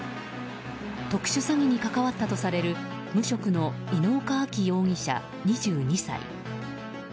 特殊詐欺に関わったとされる無職の猪岡燦容疑者、２２歳。